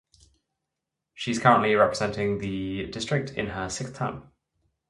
She is currently representing the district in her sixth term.